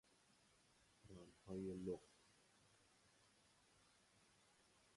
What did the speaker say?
رانهای لخت